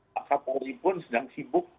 pak kapolri pun sedang sibuk